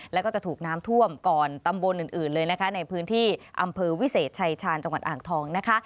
แล้วก็จะถูกน้ำท่วมก่อนตำบลอื่นเลยนะคะในพื้นที่อำเภอวิเศษชายชาญจังหวัดอ่างทองนะคะ